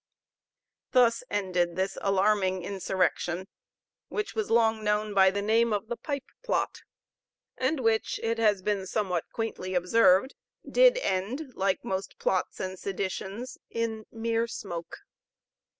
Thus ended this alarming insurrection, which was long known by the name of the Pipe Plot, and which, it has been somewhat quaintly observed, did end, like most plots and seditions, in mere smoke.